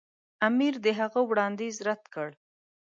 امیر د هغه وړاندیز رد کړ.